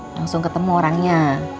langsung ketemu orangnya